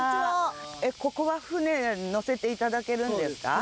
ここは舟に乗せていただけるんですか？